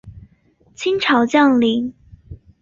清朝将领。